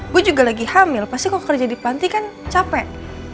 gue juga lagi hamil pasti kalau kerja di panti kan capek